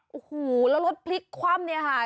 โอ้โหแล้วรถพลิกคว่ำเนี่ยค่ะ